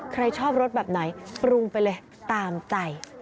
ใครชอบรสแบบไหนปรุงไปเลยตามใจ